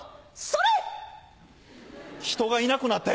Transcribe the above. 「それ！」